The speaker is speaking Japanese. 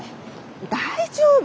大丈夫。